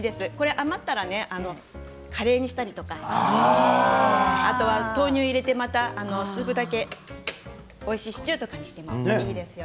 余ったら、カレーにしたりとか豆乳を入れてスープだけおいしいシチューにしてもいいですね。